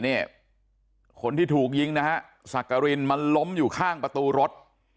นี่คนที่ถูกยิงนะฮะสักกรินมันล้มอยู่ข้างประตูรถ